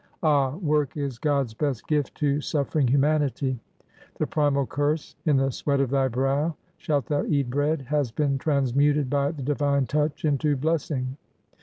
Ah ! work is God^s best gift to suffering humanity ! The primal curse, '' In the sweat of thy brow shalt thou eat bread," has been transmuted by the divine touch into blessing.